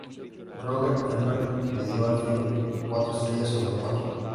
Roger Ebert le dio al film cuatro estrellas sobre cuatro.